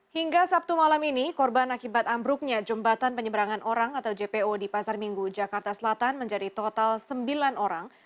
hingga sabtu malam ini korban akibat ambruknya jembatan penyeberangan orang atau jpo di pasar minggu jakarta selatan menjadi total sembilan orang